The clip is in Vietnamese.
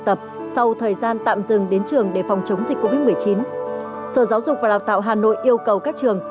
tuy nhiên trong thời gian tạm dừng đến trường để phòng chống dịch covid một mươi chín sở giáo dục và lào tạo hà nội yêu cầu các trường